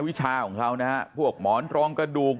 วิชาของเขานะฮะพวกหมอนรองกระดูก